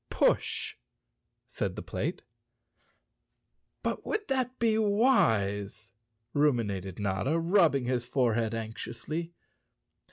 "Push!" said the plate. "But would that be wise?" ruminated Notta, rub¬ bing his forehead anxiously.